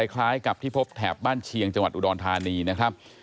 คล้ายกับที่พบแถบบ้านเชียงจังหวัดอุดรธานีนะครับ